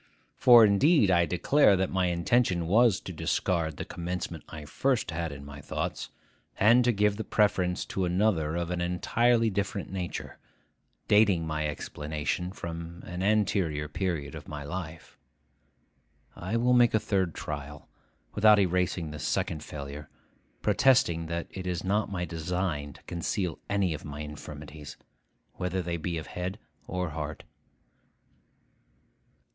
For indeed I declare that my intention was to discard the commencement I first had in my thoughts, and to give the preference to another of an entirely different nature, dating my explanation from an anterior period of my life. I will make a third trial, without erasing this second failure, protesting that it is not my design to conceal any of my infirmities, whether they be of head or heart.